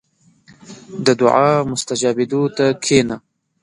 • د دعا مستجابېدو ته کښېنه.